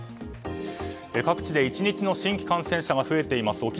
各地で１日の新規感染者が増えています。